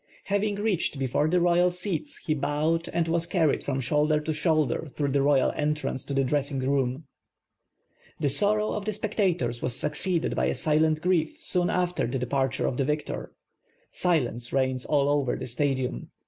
Hav ing reached before the royal seats he bowed and was carried from shoulder to shoulder through the royal entrance to the dressing room. The sorrow of the spectators was succeeded by a silent grief soon after the dejxirture of the victor. Silence rei.gns all over the Stadiinn.